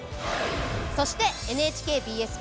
そしてＮＨＫＢＳ